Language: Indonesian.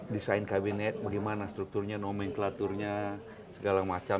desain kabinet bagaimana strukturnya nomenklaturnya segala macam